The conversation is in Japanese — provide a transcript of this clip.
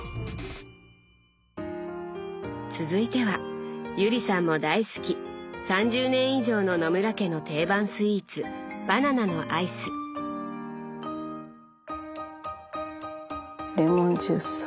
続いては友里さんも大好き３０年以上の野村家の定番スイーツレモンジュース。